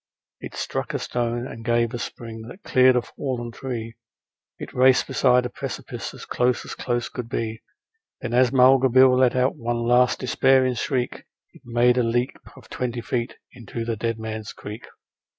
It struck a stone and gave a spring that cleared a fallen tree, It raced beside a precipice as close as close could be; And then as Mulga Bill let out one last despairing shriek It made a leap of twenty feet into the Dead Man's Creek.